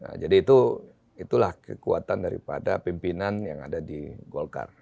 nah jadi itulah kekuatan daripada pimpinan yang ada di golkar